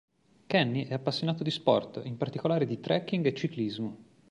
Kenny è appassionato di sport, in particolare di trekking e ciclismo.